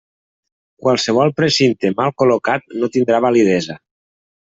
Qualsevol precinte mal col·locat no tindrà validesa.